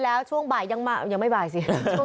แล้วช่วงบ่ายยังไม่บ่ายสิ